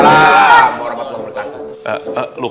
gimana sih si amalia itu